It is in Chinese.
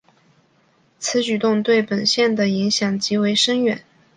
此举动对本线的影响极为深远。